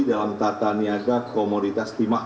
dalam tata niaga komoditas timah